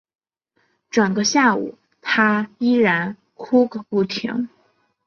整个下午她依然哭个不停